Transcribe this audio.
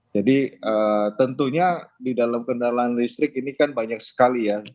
jadi tentunya di dalam kendaraan listrik ini kan banyak sekali ya